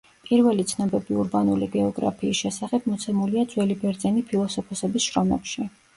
პირველი ცნობები ურბანული გეოგრაფიის შესახებ მოცემულია ძველი ბერძენი ფილოსოფოსების შრომებში.